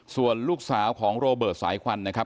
ส่วนลูกสาวของโรเบิร์ตสายควันนะครับ